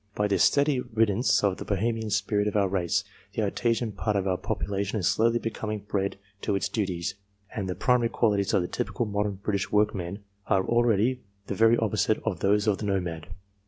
By this steady riddance of the Bohemian spirit of our race, the artisan part of our population is slowly becoming bred to its duties, and the primary qualities of the typical modern British workman are already the very opposite of those of the nomad.